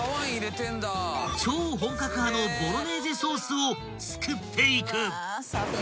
［超本格派のボロネーゼソースを作っていく］